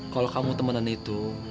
kalau kamu temenan itu